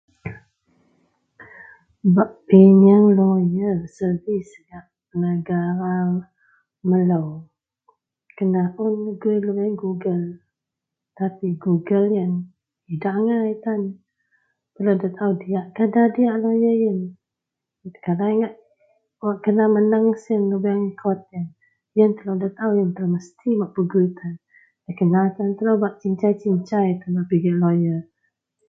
bak piyieang lawyer servis gak negara melou, kena un gui lubeang geogle, tapi geogle ien diak agai tan, telou da taau diakkah da diak lawyer ien, kalai ngak wak kena menang sin lubeang kot ien, yen telou da taau ien telou mesti bak pegui tan da kena tan telou bak cincai-cincai bak pigek lawyer